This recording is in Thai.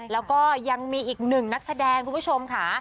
แล้วก็ยังมีอีกหนึ่งนักแสดงคุณผู้ชมค่ะ